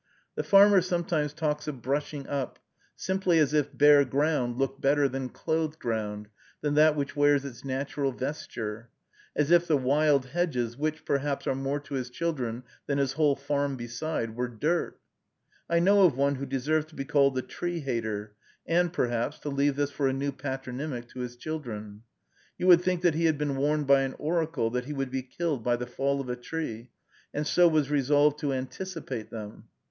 The farmer sometimes talks of "brushing up," simply as if bare ground looked better than clothed ground, than that which wears its natural vesture, as if the wild hedges, which, perhaps, are more to his children than his whole farm beside, were dirt. I know of one who deserves to be called the Tree hater, and, perhaps, to leave this for a new patronymic to his children. You would think that he had been warned by an oracle that he would be killed by the fall of a tree, and so was resolved to anticipate them.